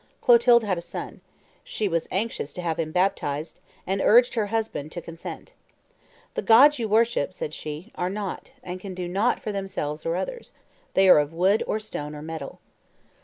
Clotilde had a son; she was anxious to have him baptized, and urged her husband to consent. "The gods you worship," said she, "are nought, and can do nought for themselves or others; they are of wood, or stone, or metal."